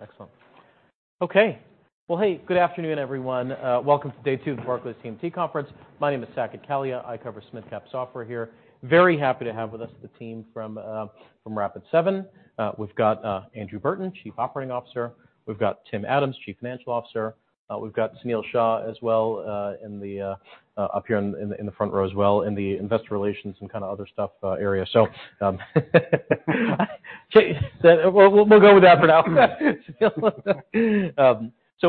Excellent. Okay. Well, hey, good afternoon, everyone. Welcome to day two of the Barclays TMT Conference. My name is Saket Kalia. I cover SMID-Cap software here. Very happy to have with us the team from Rapid7. We've got Andrew Burton, Chief Operating Officer. We've got Tim Adams, Chief Financial Officer. We've got Sunil Shah as well, in the up here in the front row as well, in the Investor Relations and kinda other stuff area. We'll go with that for now.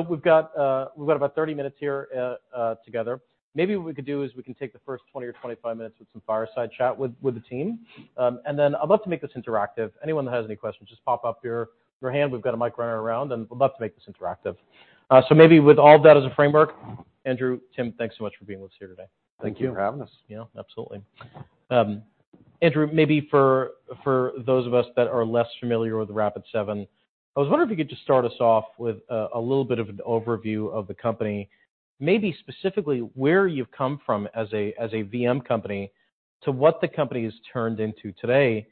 We've got about 30 minutes here together. Maybe what we could do is we can take the first 20 or 25 minutes with some fireside chat with the team. I'd love to make this interactive. Anyone that has any questions, just pop up your hand. We've got a mic runner around, and we'd love to make this interactive. Maybe with all that as a framework, Andrew, Tim, thanks so much for being with us here today. Thank you for having us. Yeah, absolutely. Andrew, maybe for those of us that are less familiar with Rapid7, I was wondering if you could just start us off with a little bit of an overview of the company, maybe specifically where you've come from as a VM company to what the company has turned into today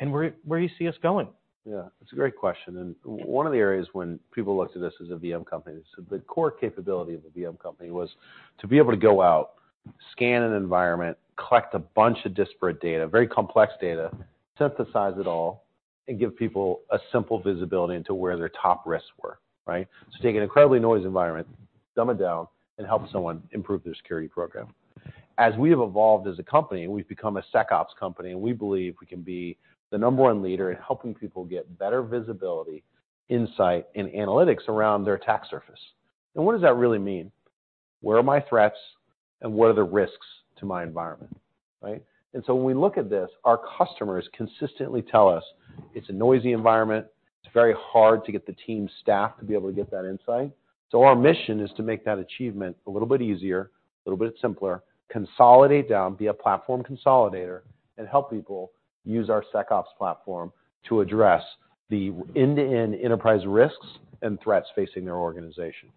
and where you see us going. That's a great question. One of the areas when people looked at us as a VM company, the core capability of a VM company was to be able to go out, scan an environment, collect a bunch of disparate data, very complex data, synthesize it all, and give people a simple visibility into where their top risks were, right? Take an incredibly noisy environment, dumb it down, and help someone improve their security program. As we have evolved as a company, we've become a SecOps company, and we believe we can be the number one leader in helping people get better visibility, insight, and analytics around their attack surface. What does that really mean? Where are my threats, and what are the risks to my environment, right? When we look at this, our customers consistently tell us it's a noisy environment. It's very hard to get the team staffed to be able to get that insight. Our mission is to make that achievement a little bit easier, a little bit simpler, consolidate down, be a platform consolidator, and help people use our SecOps platform to address the end-to-end enterprise risks and threats facing their organization.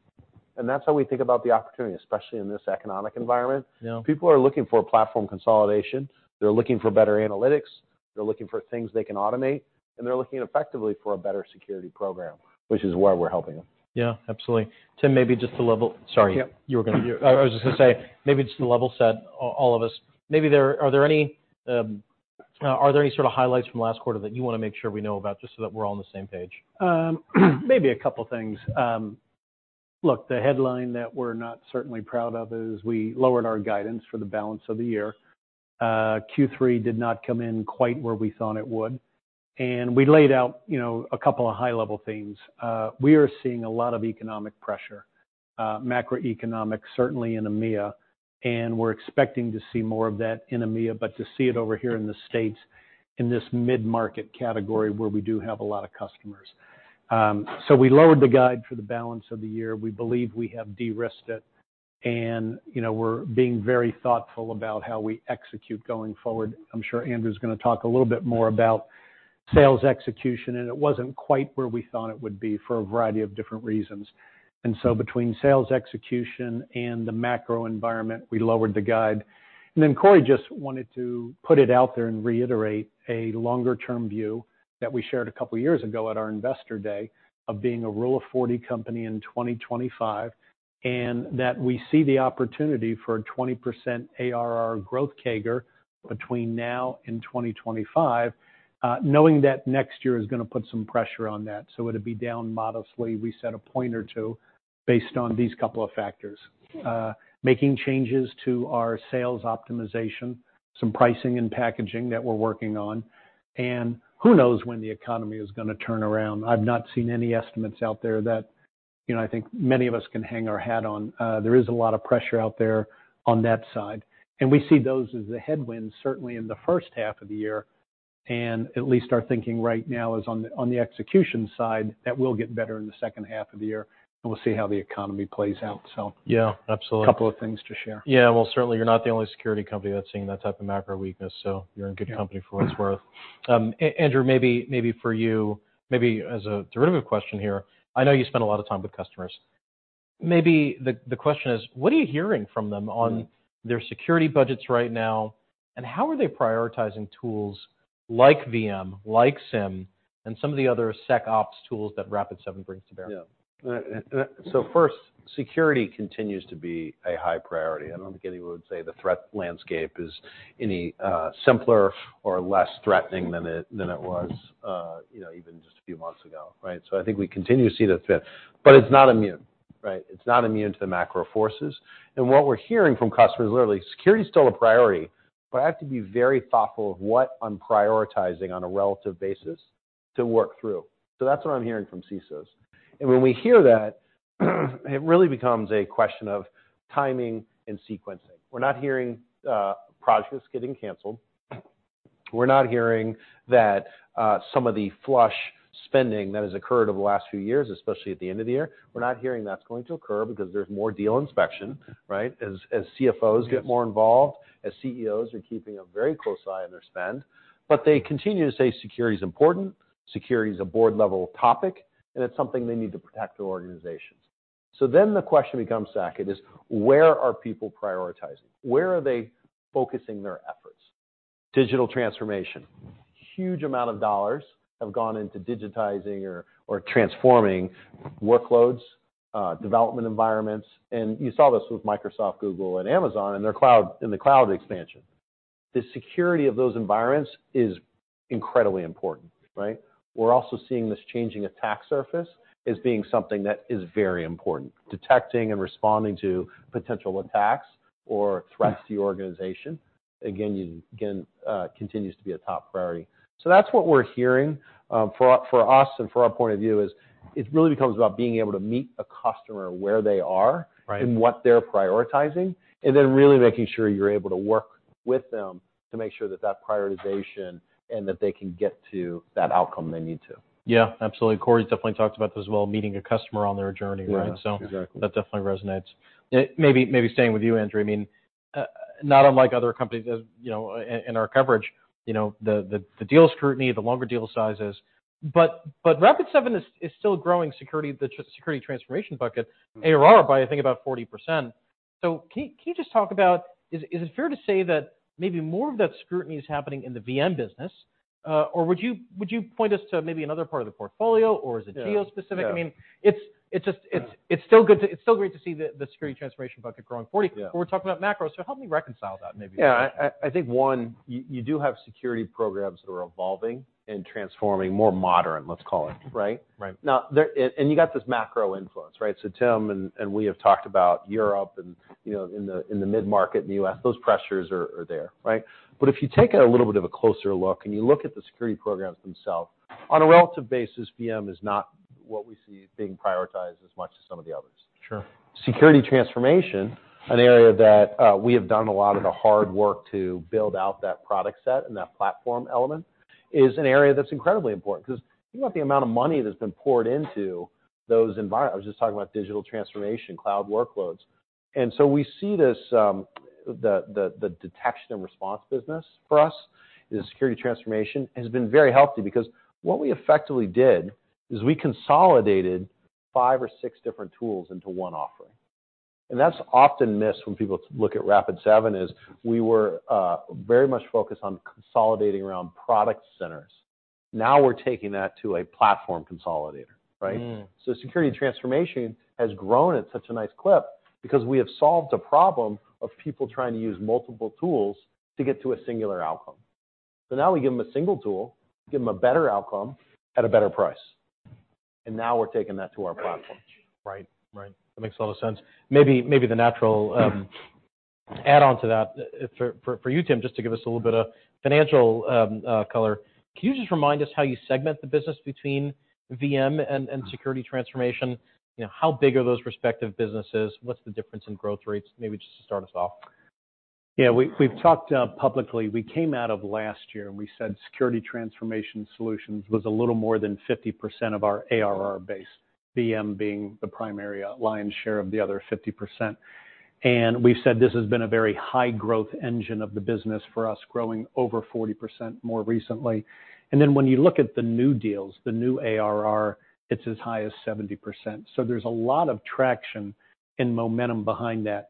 That's how we think about the opportunity, especially in this economic environment. Yeah. People are looking for platform consolidation. They're looking for better analytics. They're looking for things they can automate, and they're looking effectively for a better security program, which is where we're helping them. Yeah, absolutely. Tim, maybe just to level... Sorry. Yeah. I was just gonna say, maybe just to level set all of us. Are there any, are there any sort of highlights from last quarter that you want to make sure we know about, just so that we're all on the same page? Maybe a couple things. Look, the headline that we're not certainly proud of is we lowered our guidance for the balance of the year. Q3 did not come in quite where we thought it would. We laid out, you know, a couple of high-level things. We are seeing a lot of economic pressure, macroeconomic, certainly in EMEA, and we're expecting to see more of that in EMEA, but to see it over here in the States in this mid-market category where we do have a lot of customers. We lowered the guide for the balance of the year. We believe we have de-risked it, you know, we're being very thoughtful about how we execute going forward. I'm sure Andrew's gonna talk a little bit more about sales execution, it wasn't quite where we thought it would be for a variety of different reasons. Between sales execution and the macro environment, we lowered the guide. Corey just wanted to put it out there and reiterate a longer-term view that we shared a couple years ago at our investor day of being a Rule of 40 company in 2025, that we see the opportunity for a 20% ARR growth CAGR between now and 2025, knowing that next year is gonna put some pressure on that. It'll be down modestly. We set a point or two based on these couple of factors, making changes to our sales optimization, some pricing and packaging that we're working on, and who knows when the economy is gonna turn around. I've not seen any estimates out there that, you know, I think many of us can hang our hat on. There is a lot of pressure out there on that side, we see those as the headwinds, certainly in the first half of the year. At least our thinking right now is on the execution side, that will get better in the Saket half of the year, and we'll see how the economy plays out. Yeah, absolutely.... couple of things to share. Yeah. Well, certainly you're not the only security company that's seeing that type of macro weakness, so you're in good company. Yeah... for what it's worth. Andrew, maybe for you, maybe as a derivative question here, I know you spend a lot of time with customers. Maybe the question is, what are you hearing from them on their security budgets right now, and how are they prioritizing tools like VM, like SIEM, and some of the other SecOps tools that Rapid7 brings to bear? Yeah. First, security continues to be a high priority. I don't think anyone would say the threat landscape is any simpler or less threatening than it was, you know, even just a few months ago, right? I think we continue to see the threat. It's not immune, right? It's not immune to the macro forces. What we're hearing from customers, literally, security is still a priority, but I have to be very thoughtful of what I'm prioritizing on a relative basis to work through. That's what I'm hearing from CISOs. When we hear that, it really becomes a question of timing and sequencing. We're not hearing projects getting canceled. We're not hearing that some of the flush spending that has occurred over the last few years, especially at the end of the year, we're not hearing that's going to occur because there's more deal inspection, right? As CFOs get more involved, as CEOs are keeping a very close eye on their spend. They continue to say security is important, security is a board-level topic, and it's something they need to protect their organizations. The question becomes, Saket, is where are people prioritizing? Where are they focusing their efforts? Digital transformation. Huge amount of dollars have gone into digitizing or transforming workloads, development environments. You saw this with Microsoft, Google, and Amazon in the cloud expansion. The security of those environments is incredibly important, right? We're also seeing this changing attack surface as being something that is very important. Detecting and responding to potential attacks or threats to your organization, again, continues to be a top priority. That's what we're hearing, for us and for our point of view is it really becomes about being able to meet a customer where they are. Right. what they're prioritizing, and then really making sure you're able to work with them to make sure that that prioritization and that they can get to that outcome they need to. Yeah, absolutely. Corey's definitely talked about this as well, meeting a customer on their journey, right? Yeah. Exactly. That definitely resonates. Maybe staying with you, Andrew. I mean, not unlike other companies as, you know, in our coverage, you know, the deal scrutiny, the longer deal sizes. Rapid7 is still growing security, the security transformation bucket ARR by I think about 40%. Can you just talk about is it fair to say that maybe more of that scrutiny is happening in the VM business, or would you point us to maybe another part of the portfolio or is it geo-specific? Yeah. Yeah. I mean, it's still great to see the security transformation bucket growing 40%. Yeah. We're talking about macro, so help me reconcile that maybe. Yeah. I think one, you do have security programs that are evolving and transforming, more modern, let's call it, right? Right. You got this macro influence, right? Tim and we have talked about Europe and, you know, in the, in the mid-market in the U.S., those pressures are there, right? If you take a little bit of a closer look, and you look at the security programs themselves, on a relative basis, VM is not what we see being prioritized as much as some of the others. Sure. Security transformation, an area that we have done a lot of the hard work to build out that product set and that platform element, is an area that's incredibly important 'cause think about the amount of money that's been poured into those. I was just talking about digital transformation, cloud workloads. We see this, the detection and response business for us is security transformation, has been very healthy because what we effectively did is we consolidated five or six different tools into one offering. That's often missed when people look at Rapid7 is we were very much focused on consolidating around product centers. Now we're taking that to a platform consolidator, right? Mm. Security transformation has grown at such a nice clip because we have solved a problem of people trying to use multiple tools to get to a singular outcome. Now we give them a single tool, give them a better outcome at a better price. Now we're taking that to our platform. Right. Right. That makes a lot of sense. Maybe the natural add on to that for you, Tim, just to give us a little bit of financial color. Can you just remind us how you segment the business between VM and security transformation? You know, how big are those respective businesses? What's the difference in growth rates? Maybe just to start us off. Yeah. We've talked publicly. We came out of last year, we said security transformation solutions was a little more than 50% of our ARR base, VM being the primary lion's share of the other 50%. We've said this has been a very high growth engine of the business for us, growing over 40% more recently. When you look at the new deals, the new ARR, it's as high as 70%. There's a lot of traction and momentum behind that.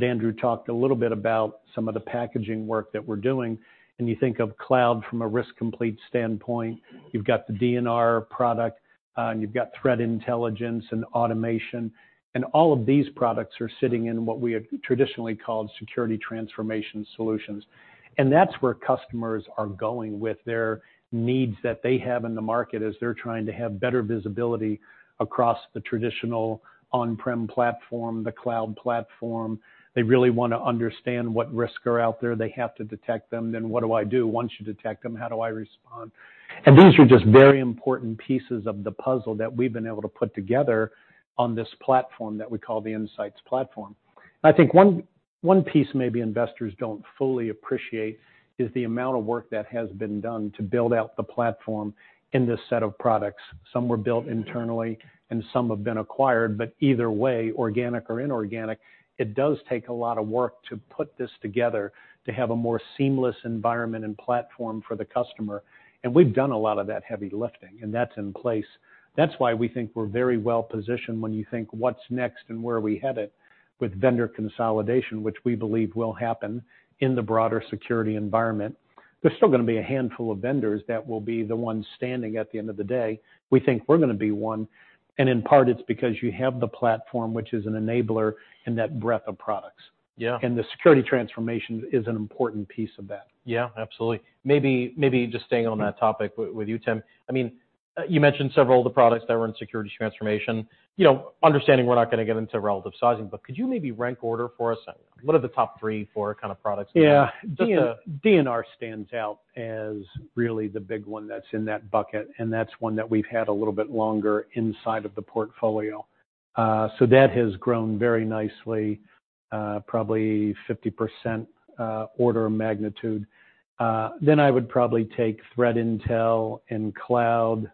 Andrew talked a little bit about some of the packaging work that we're doing, and you think of cloud from a Risk Complete standpoint. You've got the DNR product, and you've got Threat Intelligence and automation. All of these products are sitting in what we have traditionally called Security Transformation Solutions. That's where customers are going with their needs that they have in the market as they're trying to have better visibility across the traditional on-prem platform, the cloud platform. They really want to understand what risks are out there. They have to detect them, then what do I do once you detect them? How do I respond? These are just very important pieces of the puzzle that we've been able to put together on this platform that we call the Insight Platform. I think one piece maybe investors don't fully appreciate is the amount of work that has been done to build out the platform in this set of products. Some were built internally, and some have been acquired, but either way, organic or inorganic, it does take a lot of work to put this together to have a more seamless environment and platform for the customer. We've done a lot of that heavy lifting, and that's in place. That's why we think we're very well-positioned when you think what's next and where are we headed with vendor consolidation, which we believe will happen in the broader security environment. There's still gonna be a handful of vendors that will be the ones standing at the end of the day. We think we're going to be one, and in part, it's because you have the platform, which is an enabler in that breadth of products. Yeah. The security transformation is an important piece of that. Yeah, absolutely. Maybe just staying on that topic with you, Tim. I mean, you mentioned several of the products that were in security transformation. You know, understanding we're not gonna get into relative sizing, but could you maybe rank order for us what are the top three, four kind of products... Yeah. Just. DNR stands out as really the big one that's in that bucket, and that's one that we've had a little bit longer inside of the portfolio. That has grown very nicely, probably 50%, order of magnitude. I would probably take Threat Intel and cloud.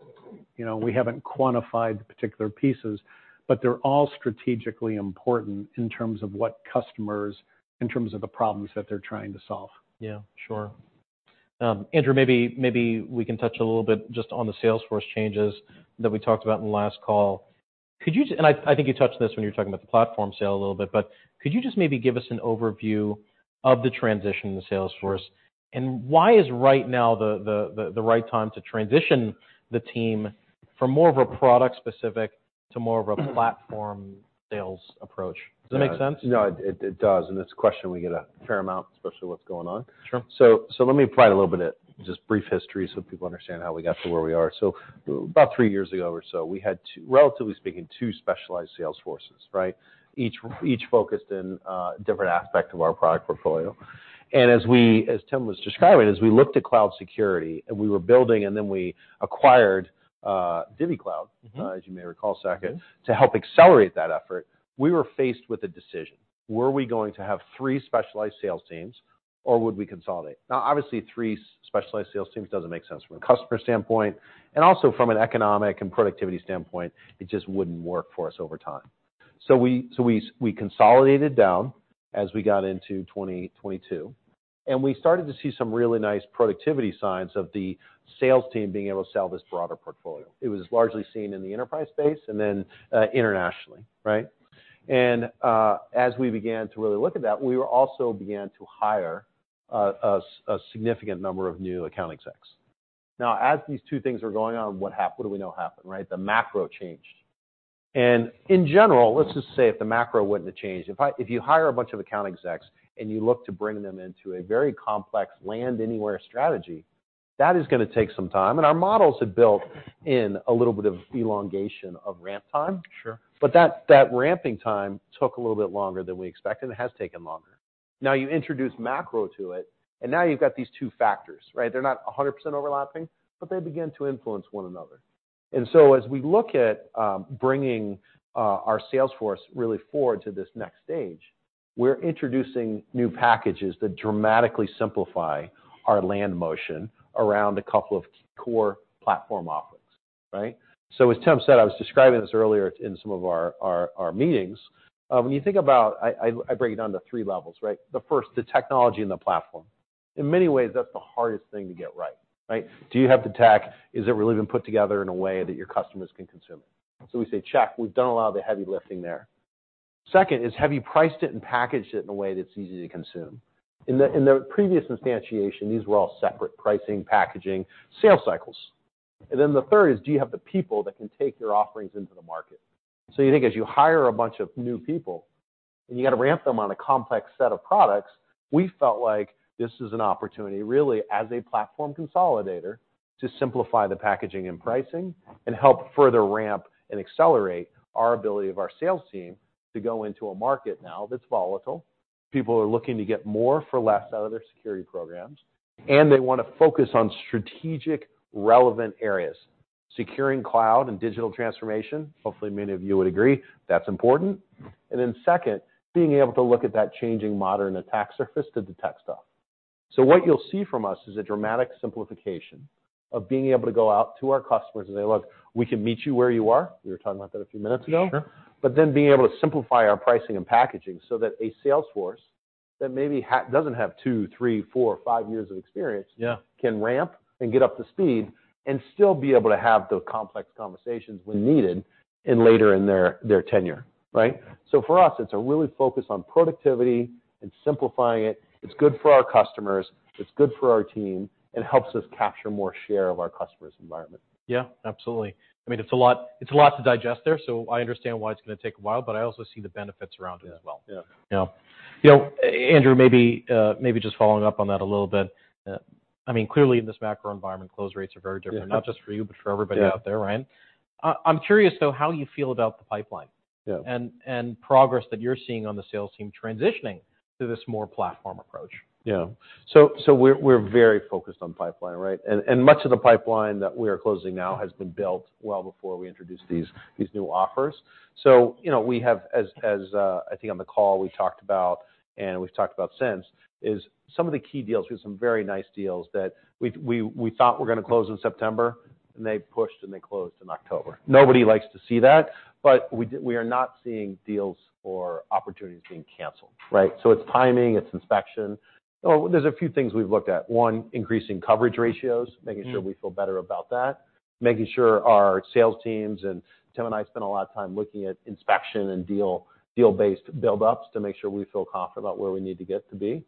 You know, we haven't quantified the particular pieces, but they're all strategically important in terms of what customers... in terms of the problems that they're trying to solve. Yeah, sure. Andrew, maybe we can touch a little bit just on the sales force changes that we talked about in the last call. I think you touched this when you were talking about the platform sale a little bit, but could you just maybe give us an overview of the transition in the sales force? Why is right now the right time to transition the team from more of a product-specific to more of a platform sales approach? Yeah. Does that make sense? No, it does. It's a question we get a fair amount, especially what's going on. Sure. Let me provide a little bit of just brief history so people understand how we got to where we are. About three years ago or so, we had two, relatively speaking, two specialized sales forces, right? Each focused in a different aspect of our product portfolio. As Tim was describing, as we looked at cloud security and we were building, and then we acquired DivvyCloud. Mm-hmm. as you may recall, Saket. Mm-hmm. To help accelerate that effort, we were faced with a decision. Were we going to have 3 specialized sales teams, or would we consolidate? Obviously, three specialized sales teams doesn't make sense from a customer standpoint, and also from an economic and productivity standpoint, it just wouldn't work for us over time. we consolidated down as we got into 2022, and we started to see some really nice productivity signs of the sales team being able to sell this broader portfolio. It was largely seen in the enterprise space and then internationally, right? As we began to really look at that, we were also began to hire a significant number of new account execs. As these two things are going on, what do we know happened, right? The macro changed. In general, let's just say if the macro wouldn't have changed, if you hire a bunch of account execs and you look to bring them into a very complex land anywhere strategy, that is gonna take some time. Our models had built in a little bit of elongation of ramp time. Sure. That ramping time took a little bit longer than we expected. It has taken longer. Now you introduce macro to it, and now you've got these two factors, right? They're not 100% overlapping, but they begin to influence one another. As we look at bringing our sales force really forward to this next stage, we're introducing new packages that dramatically simplify our land motion around a couple of key core platform offerings, right? As Tim said, I was describing this earlier in some of our meetings. When you think about I break it down to three levels, right? The first, the technology in the platform. In many ways, that's the hardest thing to get right? Do you have the tech? Is it really been put together in a way that your customers can consume it? We say, check, we've done a lot of the heavy lifting there. Second is, have you priced it and packaged it in a way that's easy to consume? Mm-hmm. In the previous instantiation, these were all separate pricing, packaging, sales cycles. The third is, do you have the people that can take your offerings into the market? You think as you hire a bunch of new people and you got to ramp them on a complex set of products, we felt like this is an opportunity, really, as a platform consolidator, to simplify the packaging and pricing and help further ramp and accelerate our ability of our sales team to go into a market now that's volatile. People are looking to get more for less out of their security programs, and they want to focus on strategic relevant areas, securing cloud and digital transformation. Hopefully, many of you would agree that's important. Second, being able to look at that changing modern attack surface to detect stuff. What you'll see from us is a dramatic simplification of being able to go out to our customers and say, "Look, we can meet you where you are." We were talking about that a few minutes ago. Sure. Being able to simplify our pricing and packaging so that a sales force that maybe doesn't have two, three, four, five years of experience. Yeah... can ramp and get up to speed and still be able to have those complex conversations when needed and later in their tenure, right? For us, it's a really focus on productivity and simplifying it. It's good for our customers, it's good for our team, and helps us capture more share of our customer's environment. Yeah, absolutely. I mean, it's a lot, it's a lot to digest there, so I understand why it's gonna take a while, but I also see the benefits around it as well. Yeah. Yeah. You know, Andrew, maybe just following up on that a little bit. I mean, clearly in this macro environment, close rates are very different. Yeah. Not just for you, but for everybody. Yeah... out there, right? I'm curious, though, how you feel about the pipeline- Yeah... and progress that you're seeing on the sales team transitioning to this more platform approach. Yeah. We're very focused on pipeline, right? Much of the pipeline that we are closing now has been built well before we introduced these new offers. You know, we have as I think on the call we talked about, and we've talked about since, is some of the key deals. We have some very nice deals that we thought were going to close in September, and they pushed, and they closed in October. Nobody likes to see that, but we are not seeing deals or opportunities being canceled, right? It's timing, it's inspection. There's a few things we've looked at. One, increasing coverage ratios- Mm-hmm making sure we feel better about that. Making sure our sales teams, and Tim and I spend a lot of time looking at inspection and deal-based buildups to make sure we feel confident about where we need to get to be.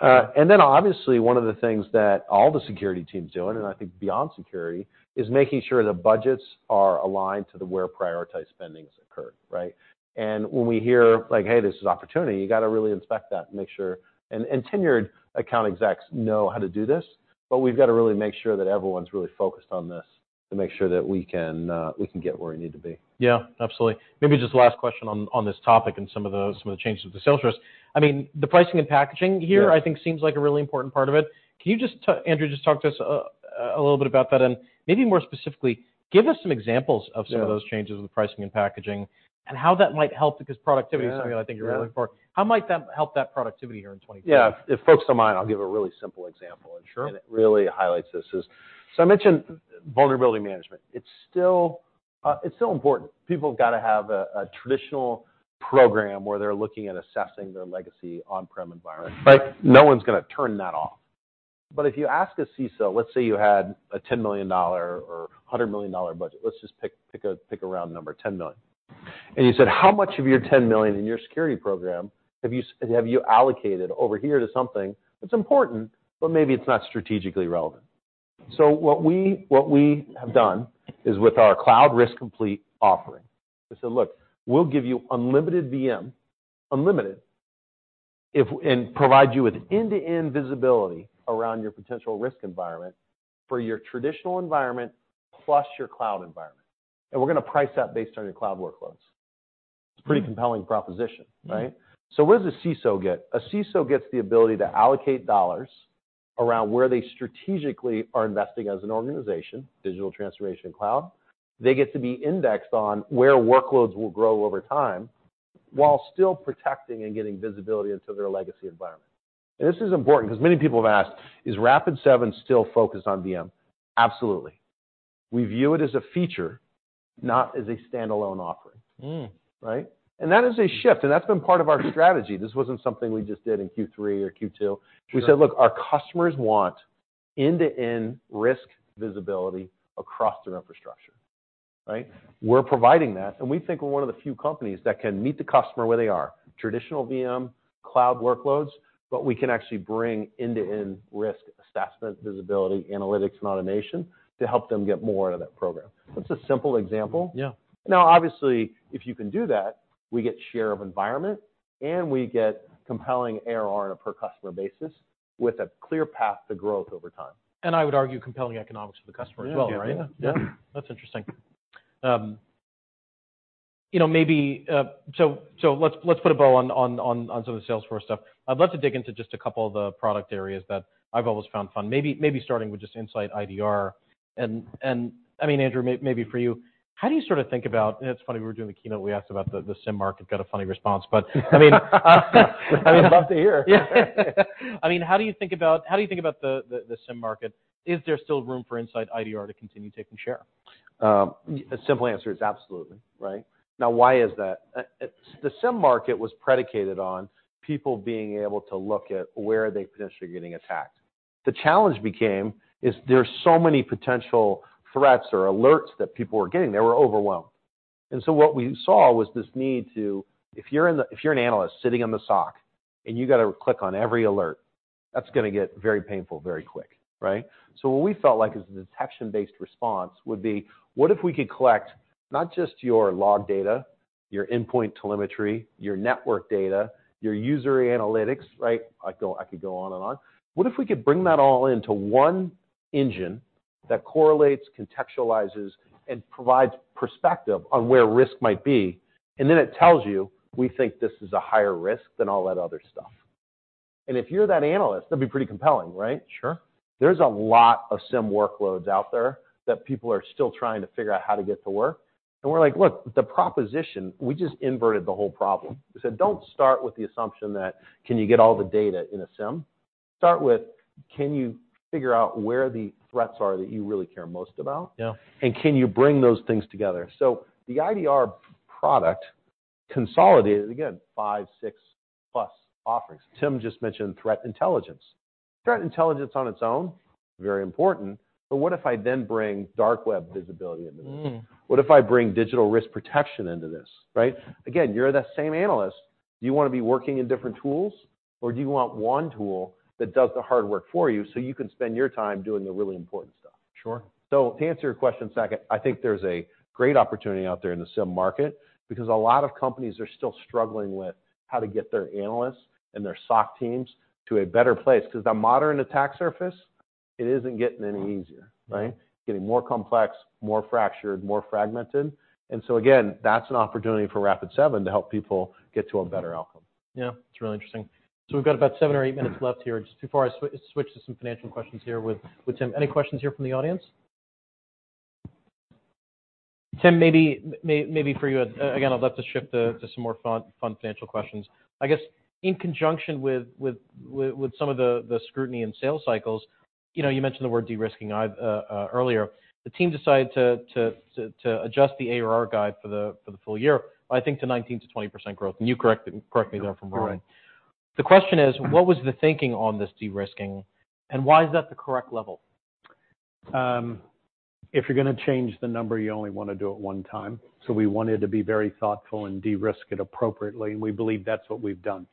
Then obviously, one of the things that all the security teams doing, and I think beyond security, is making sure the budgets are aligned to the where prioritized spendings occur, right? When we hear. Sure... like, "Hey, this is opportunity," you got it really inspect that and make sure. Tenured account execs know how to do this, but we've got to really make sure that everyone's really focused on this to make sure that we can get where we need to be. Yeah, absolutely. Maybe just last question on this topic and some of the, some of the changes with the sales force. I mean, the pricing and packaging here- Yeah I think seems like a really important part of it. Can you just Andrew, just talk to us, a little bit about that, and maybe more specifically, give us some examples of some? Yeah of those changes with the pricing and packaging and how that might help, because productivity- Yeah. Yeah.... is something I think you're looking for. How might that help that productivity here in 23? Yeah. If folks don't mind, I'll give a really simple example. Sure. It really highlights this is. I mentioned vulnerability management. It's still, it's so important. People have gotta have a traditional program where they're looking at assessing their legacy on-prem environment, right? No one's gonna turn that off. If you ask a CISO, let's say you had a $10 million or a $100 million budget. Let's just pick a round number, 10 million. You said, "How much of your 10 million in your security program have you allocated over here to something that's important, but maybe it's not strategically relevant?" What we have done is with our Cloud Risk Complete offering, we said, "Look, we'll give you unlimited VM, unlimited if... provide you with end-to-end visibility around your potential risk environment for your traditional environment plus your cloud environment, and we're gonna price that based on your cloud workloads." It's a pretty compelling proposition, right? Mm-hmm. What does a CISO get? A CISO gets the ability to allocate dollars around where they strategically are investing as an organization, digital transformation cloud. They get to be indexed on where workloads will grow over time, while still protecting and getting visibility into their legacy environment. This is important because many people have asked, "Is Rapid7 still focused on VM?" Absolutely. We view it as a feature, not as a standalone offering. Mm. Right? That is a shift, and that's been part of our strategy. This wasn't something we just did in Q3 or Q2. Sure. We said, "Look, our customers want end-to-end risk visibility across their infrastructure," right? We're providing that, and we think we're one of the few companies that can meet the customer where they are. Traditional VM, cloud workloads. We can actually bring end-to-end risk assessment, visibility, analytics, and automation to help them get more out of that program. That's a simple example. Yeah. obviously, if you can do that, we get share of environment, and we get compelling ARR on a per customer basis with a clear path to growth over time. I would argue compelling economics for the customer as well, right? Yeah. Yeah. That's interesting. You know, maybe, let's put a bow on some of the Salesforce stuff. I'd love to dig into just a couple of the product areas that I've always found fun. Maybe starting with just InsightIDR. I mean, Andrew, maybe for you, how do you sort of think about... It's funny, we were doing the keynote, we asked about the SIEM market, got a funny response. I mean... I would love to hear. Yeah. I mean, how do you think about the SIEM market? Is there still room for InsightIDR to continue taking share? The simple answer is absolutely, right. Now why is that? The SIEM market was predicated on people being able to look at where are they potentially getting attacked. The challenge became is there's so many potential threats or alerts that people were getting, they were overwhelmed. What we saw was this need to, if you're an analyst sitting in the SOC, and you got it click on every alert, that's gonna get very painful very quick, right. What we felt like is a detection-based response would be, what if we could collect not just your log data, your endpoint telemetry, your network data, your user analytics, right. I could go on and on. What if we could bring that all into one engine that correlates, contextualizes, and provides perspective on where risk might be, and then it tells you, "We think this is a higher risk than all that other stuff."? If you're that analyst, that'd be pretty compelling, right? Sure. There's a lot of SIEM workloads out there that people are still trying to figure out how to get to work. We're like, look, the proposition, we just inverted the whole problem. We said, "Don't start with the assumption that, can you get all the data in a SIEM? Start with, can you figure out where the threats are that you really care most about? Yeah. Can you bring those things together?" The InsightIDR product consolidated, again, five, six plus offerings. Tim just mentioned threat intelligence. Threat intelligence on its own, very important, but what if I then bring dark web visibility into this? Mm. What if I bring Digital Risk Protection into this, right? Again, you're that same analyst. Do you want to be working in different tools or do you want one tool that does the hard work for you so you can spend your time doing the really important stuff? Sure. To answer your question, Saket, I think there's a great opportunity out there in the SIEM market because a lot of companies are still struggling with how to get their analysts and their SOC teams to a better place. 'Cause the modern attack surface, it isn't getting any easier, right? Mm-hmm. Getting more complex, more fractured, more fragmented. Again, that's an opportunity for Rapid7 to help people get to a better outcome. That's really interesting. We've got about seven or eight minutes left here. Just before I switch to some financial questions here with Tim, any questions here from the audience? Tim, maybe for you, again, I'd love to shift to some more fun financial questions. I guess in conjunction with some of the scrutiny in sales cycles, you know, you mentioned the word de-risking earlier. The team decided to adjust the ARR guide for the full year, I think to 19%-20% growth, and you correct me there if I'm wrong. Mm-hmm. The question is, what was the thinking on this de-risking, and why is that the correct level? If you're gonna change the number, you only want to do it one time. We wanted to be very thoughtful and de-risk it appropriately, and we believe that's what we've done.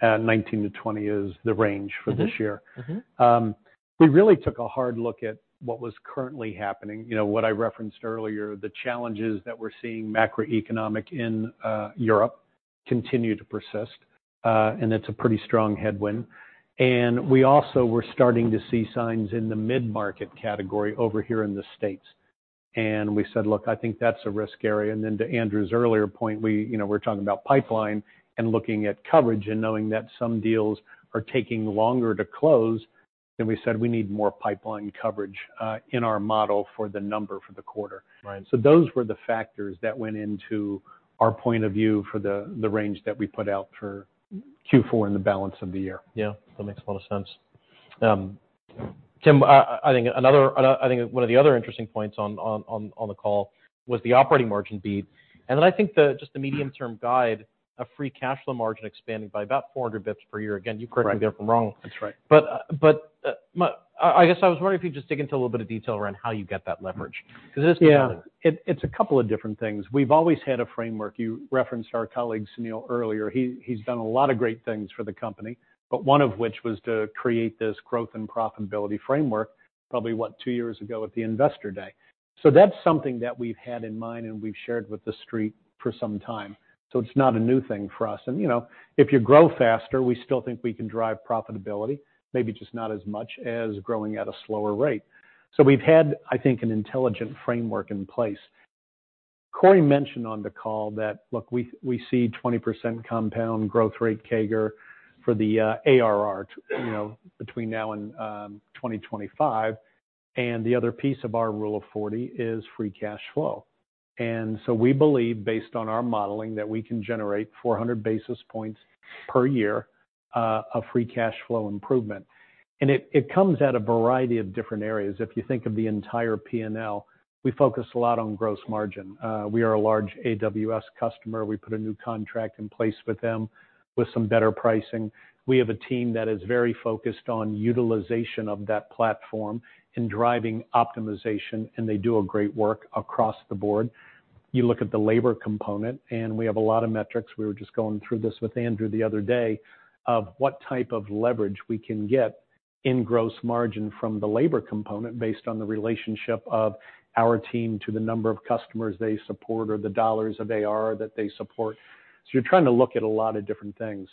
19 to 20 is the range for this year. Mm-hmm. Mm-hmm. We really took a hard look at what was currently happening. You know, what I referenced earlier, the challenges that we're seeing macroeconomic in Europe continue to persist, and it's a pretty strong headwind. We also were starting to see signs in the mid-market category over here in the States, and we said, "Look, I think that's a risk area." To Andrew's earlier point, we, you know, we're talking about pipeline and looking at coverage and knowing that some deals are taking longer to close, then we said we need more pipeline coverage in our model for the number for the quarter. Right. Those were the factors that went into our point of view for the range that we put out for Q4 and the balance of the year. Yeah. That makes a lot of sense. Tim, I think one of the other interesting points on the call was the operating margin beat. I think the, just the medium-term guide of free cash flow margin expanding by about 400 bips per year. Again, you correct me if I'm wrong. That's right. I guess I was wondering if you just dig into a little bit of detail around how you get that leverage. Yeah. It's a couple of different things. We've always had a framework. You referenced our colleague, Sunil, earlier. He's done a lot of great things for the company, but one of which was to create this growth and profitability framework, probably what? Two years ago at the Investor Day. That's something that we've had in mind and we've shared with the street for some time, so it's not a new thing for us. You know, if you grow faster, we still think we can drive profitability, maybe just not as much as growing at a slower rate. We've had, I think, an intelligent framework in place. Corey mentioned on the call that, look, we see 20% compound growth rate CAGR for the ARR, you know, between now and 2025, the other piece of our Rule of 40 is free cash flow. We believe, based on our modeling, that we can generate 400 basis points per year of free cash flow improvement. It comes at a variety of different areas. If you think of the entire P&L, we focus a lot on gross margin. We are a large AWS customer. We put a new contract in place with them with some better pricing. We have a team that is very focused on utilization of that platform in driving optimization, and they do a great work across the board. You look at the labor component, and we have a lot of metrics. We were just going through this with Andrew the other day of what type of leverage we can get in gross margin from the labor component based on the relationship of our team to the number of customers they support or the dollars of AR that they support. You're trying to look at a lot of different things.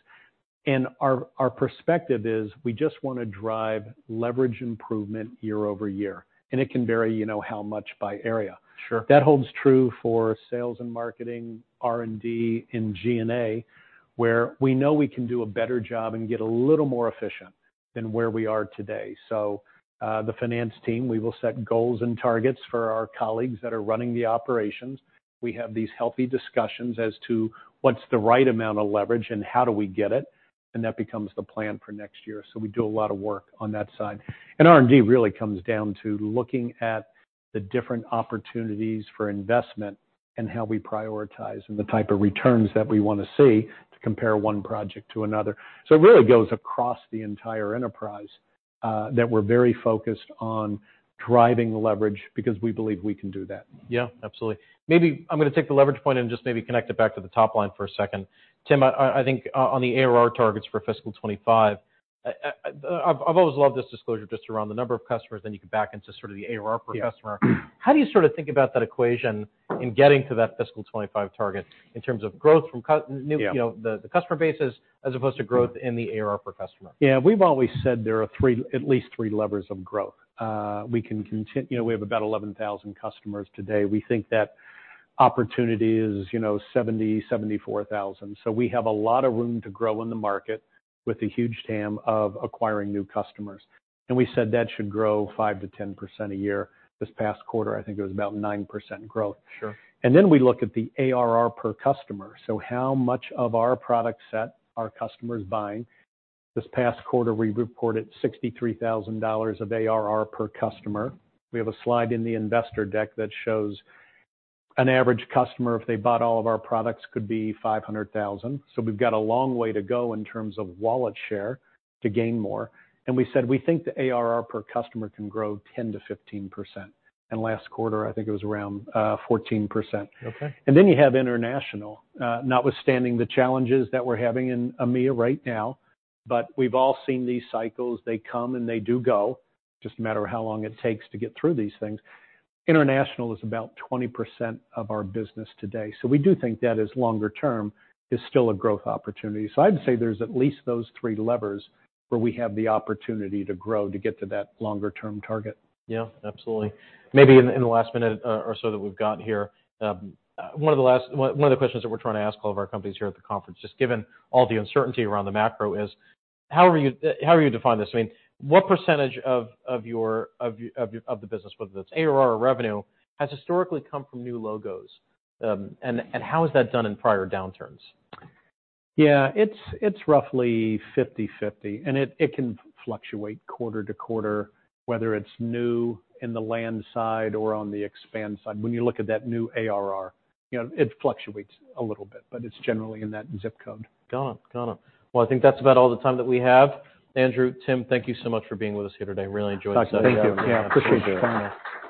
Our perspective is we just want to drive leverage improvement year-over-year. It can vary, you know, how much by area. Sure. That holds true for sales and marketing, R&D, and G&A, where we know we can do a better job and get a little more efficient than where we are today. The finance team, we will set goals and targets for our colleagues that are running the operations. We have these healthy discussions as to what's the right amount of leverage and how do we get it, and that becomes the plan for next year. We do a lot of work on that side. R&D really comes down to looking at the different opportunities for investment and how we prioritize and the type of returns that we want to see to compare one project to another. It really goes across the entire enterprise that we're very focused on driving leverage because we believe we can do that. Yeah, absolutely. Maybe I'm gonna take the leverage point and just maybe connect it back to the top line for a second. Tim, I think on the ARR targets for fiscal 25, I've always loved this disclosure just around the number of customers, then you can back into sort of the ARR per customer. Yeah. How do you sort of think about that equation in getting to that fiscal 25 target in terms of growth from? Yeah. You know, the customer bases as opposed to growth in the ARR per customer? Yeah. We've always said there are three, at least three levers of growth. You know, we have about 11,000 customers today. We think that opportunity is, you know, 70,000-74,000. We have a lot of room to grow in the market with a huge TAM of acquiring new customers. We said that should grow 5%-10% a year. This past quarter, I think it was about 9% growth. Sure. We look at the ARR per customer. How much of our product set are customers buying? This past quarter, we reported 63,000 of ARR per customer. We have a slide in the investor deck that shows an average customer, if they bought all of our products, could be 500,000. We've got a long way to go in terms of wallet share to gain more. We said we think the ARR per customer can grow 10%-15%. Last quarter, I think it was around 14%. Okay. Then you have international. Notwithstanding the challenges that we're having in EMEA right now, we've all seen these cycles. They come, and they do go. Just a matter of how long it takes to get through these things. International is about 20% of our business today. We do think that as longer term is still a growth opportunity. I'd say there's at least those three levers where we have the opportunity to grow to get to that longer-term target. Yeah, absolutely. Maybe in the last minute or so that we've got here. One of the questions that we're trying to ask all of our companies here at the conference, just given all the uncertainty around the macro is how are you define this? I mean, what percentage of your business, whether it's ARR or revenue, has historically come from new logos? How has that done in prior downturns? Yeah, it's roughly 50/50. It can fluctuate quarter to quarter, whether it's new in the land side or on the expand side. When you look at that new ARR, you know, it fluctuates a little bit, but it's generally in that zip code. Got it. Got it. Well, I think that's about all the time that we have. Andrew, Tim, thank you so much for being with us here today. Really enjoyed the session. Thank you. Yeah. Appreciate you having us. Thank you.